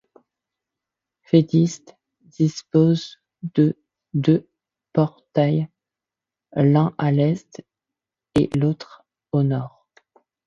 L'édifice dispose de deux portails, l'un à l'est et l'autre au nord.